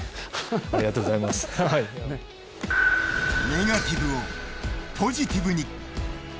ネガティブをポジティブに。